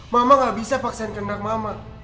mama gak bisa paksain kendang mama